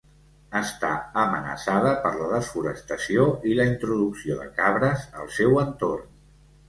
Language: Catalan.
Està amenaçada per la desforestació i la introducció de cabres al seu entorn.